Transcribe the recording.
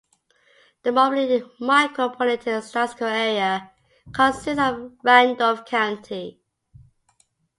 The Moberly Micropolitan Statistical Area consists of Randolph County.